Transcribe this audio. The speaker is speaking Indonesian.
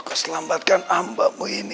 kau selamatkan ambamu ini